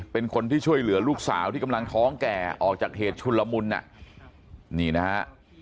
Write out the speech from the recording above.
เป็นคนที่ช่วยเหลือลูกสาวที่กำลังท้องแก่ออกจากเหตุชุนละมุนอ่ะนี่นะฮะ